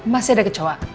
masih ada kecoak